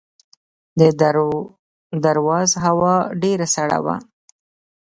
د درواز هوا ډیره سړه ده